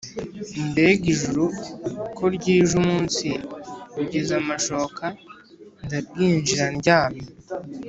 Mbega ijuru ko ryije Umunsi ugeze amashoka Ndabwinjira ndyame?